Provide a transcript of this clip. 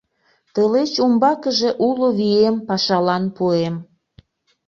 Тылеч умбакыже уло вием пашалан пуэм.